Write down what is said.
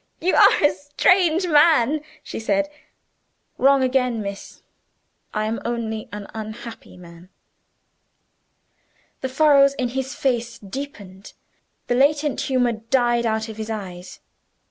"You are a strange man," she said. "Wrong again, miss. I am only an unhappy man." The furrows in his face deepened, the latent humor died out of his eyes.